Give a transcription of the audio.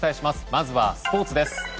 まずはスポーツです。